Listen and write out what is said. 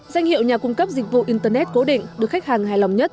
danh hiệu nhà cung cấp dịch vụ internet cố định được khách hàng hài lòng nhất